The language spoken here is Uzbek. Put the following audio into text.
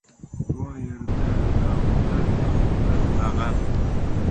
Bu yerda na g‘urbat, na ofat, na g‘am.